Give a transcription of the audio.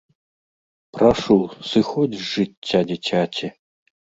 Прашу, сыходзь з жыцця дзіцяці!